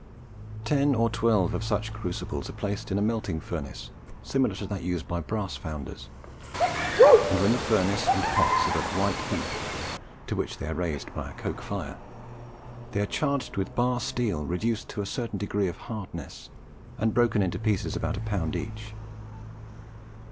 Ten or twelve of such crucibles are placed in a melting furnace similar to that used by brass founders; and when the furnace and pots are at a white heat, to which they are raised by a coke fire, they are charged with bar steel reduced to a certain degree of hardness, and broken into pieces of about a pound each.